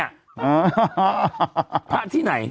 ฟะที่ไหน